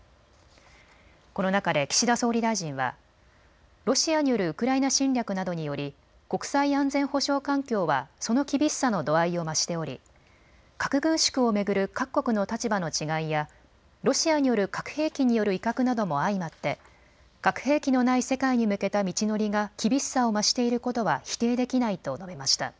この中で岸田総理大臣はロシアによるウクライナ侵略などにより国際安全保障環境はその厳しさの度合いを増しており核軍縮を巡る各国の立場の違いやロシアによる核兵器による威嚇なども相まって核兵器のない世界に向けた道のりが厳しさを増していることは否定できないと述べました。